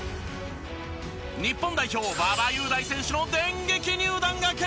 日本代表馬場雄大選手の電撃入団が決定！